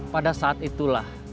pada saat itulah